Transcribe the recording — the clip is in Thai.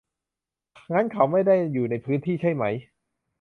งั้นเขาไม่ได้อยู่ในพื้นที่ใช่ไหม